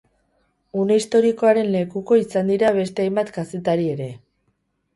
Une historikoaren lekuko izan dira beste hainbat kazetari ere.